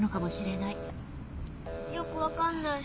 よくわかんない。